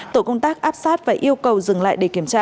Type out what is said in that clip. tổ công tác áp sát và yêu cầu dừng lại để kiểm tra